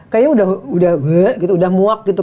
kayaknya udah muak gitu